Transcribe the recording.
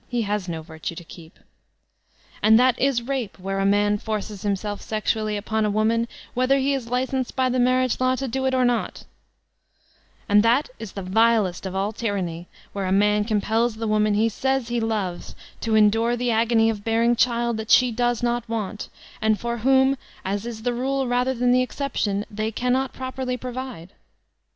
He has no virtue to keep.) And that is rape, where a man forces himself sexually upon a woman whether he is licensed by the marriage law to do it or not And that is the vilest of all tyranny where a man compels the woman he says he loves, to endure the agony of bearing children that she does not want, and for whom, as is the rule rather than the excep tion, they cannot properly provide.